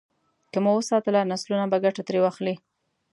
که مو وساتله، نسلونه به ګټه ترې واخلي.